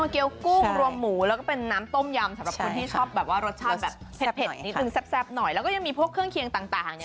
เกี้ยวกุ้งรวมหมูแล้วก็เป็นน้ำต้มยำสำหรับคนที่ชอบแบบว่ารสชาติแบบเผ็ดนิดนึงแซ่บหน่อยแล้วก็ยังมีพวกเครื่องเคียงต่างเนี่ย